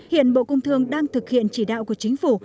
hiện bộ công thương đang thực hiện chỉ đạo của chính phủ